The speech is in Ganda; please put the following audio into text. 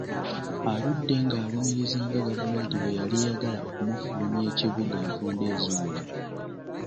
Aludde ng’alumiriza nga gavumenti bwe yali eyagala okumufulumya ekibuga enfunda eziwera.